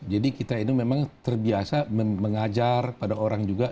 jadi kita ini memang terbiasa mengajar pada orang juga